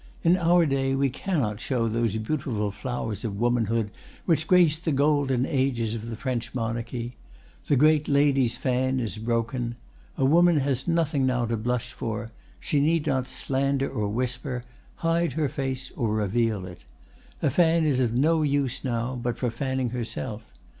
"In our day we cannot show those beautiful flowers of womanhood which graced the golden ages of the French Monarchy. The great lady's fan is broken. A woman has nothing now to blush for; she need not slander or whisper, hide her face or reveal it. A fan is of no use now but for fanning herself.